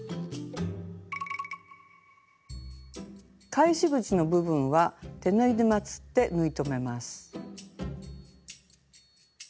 返し口の部分は手縫いでまつって縫い留めます。